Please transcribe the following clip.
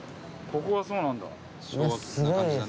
ここがそうなんだ。